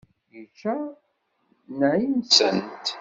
Yečča nneεi-nsent.